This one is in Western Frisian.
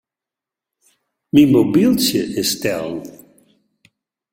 Myn mobyltsje is stellen.